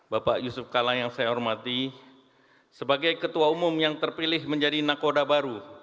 bapak yusuf kala yang saya hormati sebagai ketua umum yang terpilih menjadi nakoda baru